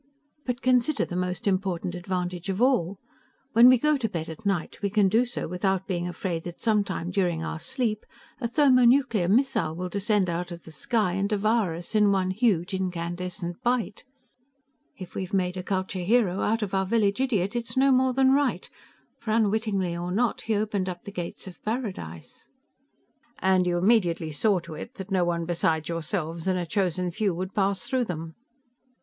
But consider the most important advantage of all: when we go to bed at night we can do so without being afraid that sometime during our sleep a thermonuclear missile will descend out of the sky and devour us in one huge incandescent bite. If we've made a culture hero out of our village idiot, it's no more than right, for unwittingly or not, he opened up the gates of paradise." "And you immediately saw to it that no one besides yourselves and a chosen few would pass through them."